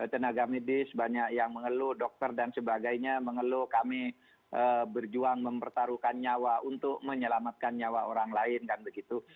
tenaga medis banyak yang mengeluh dokter dan sebagainya mengeluh kami berjuang mempertaruhkan nyawa untuk menyelamatkan nyawa orang lain kan begitu